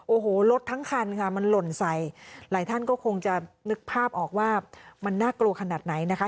โอ้โหรถทั้งคันค่ะมันหล่นใส่หลายท่านก็คงจะนึกภาพออกว่ามันน่ากลัวขนาดไหนนะคะ